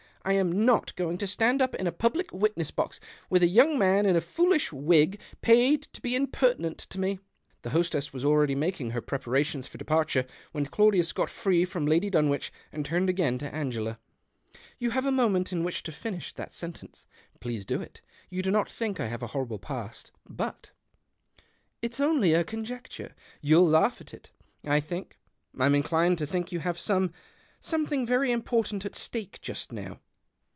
I am not going to stand up in a public witness box with a young man in a foolish wig paid to be impertinent to me." The hostess was already making her pre parations for departure when Claudius got free from Lady Dunwich and turned again to Angela. " You have a moment in which to finish that sentence. Please do it. You do not think I have a horrible past, but "" It's only a conjecture. You'll laugh at it, I think — I'm inclined to think you have some thing very important at stake just now."